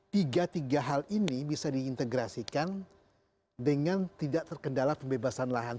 tiga tiga hal ini bisa diintegrasikan dengan tidak terkendala pembebasan lahan